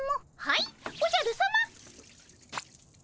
はいおじゃるさま。